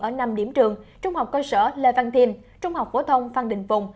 ở năm điểm trường trung học cơ sở lê văn thiêm trung học phổ thông phan đình phùng